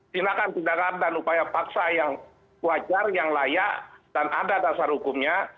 tindakan tindakan dan upaya paksa yang wajar yang layak dan ada dasar hukumnya